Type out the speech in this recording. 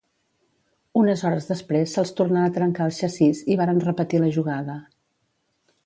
Unes hores després se'ls tornà a trencar el xassís i varen repetir la jugada.